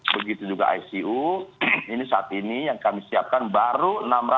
begitu juga icu ini saat ini yang kami siapkan baru enam ratus